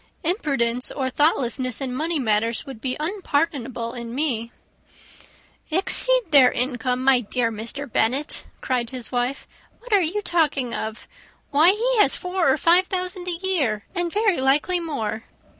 Imprudence or thoughtlessness in money matters would be unpardonable in me." "Exceed their income! My dear Mr. Bennet," cried his wife, "what are you talking of? Why, he has four or five thousand a year, and very likely more."